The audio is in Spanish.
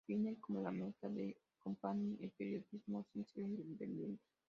Define como la meta de Compact el periodismo sincero e independiente.